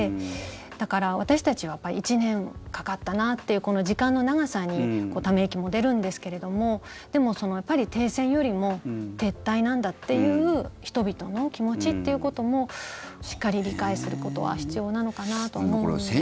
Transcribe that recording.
だから、私たちはやっぱり１年かかったなっていうこの時間の長さにため息も出るんですけれどもでも、やっぱり停戦よりも撤退なんだっていう人々の気持ちっていうこともしっかり理解することは必要なのかなと思うんですよ。